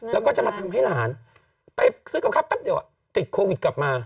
แล้วก็จะมาทำให้หลานไปซื้อกับข้าวแป๊บเดียวติดโควิดกลับมา